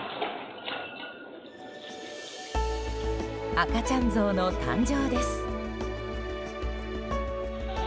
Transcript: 赤ちゃんゾウの誕生です。